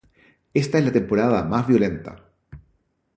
Esta es la temporada más violenta.